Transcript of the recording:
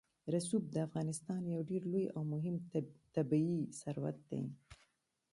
رسوب د افغانستان یو ډېر لوی او مهم طبعي ثروت دی.